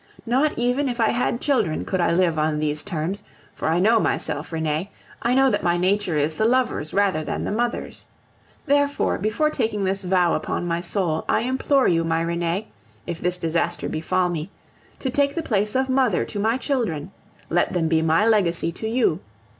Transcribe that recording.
Not even if I had children could I live on these terms, for I know myself, Renee, I know that my nature is the lover's rather than the mother's. Therefore before taking this vow upon my soul, I implore you, my Renee, if this disaster befall me, to take the place of mother to my children; let them be my legacy to you!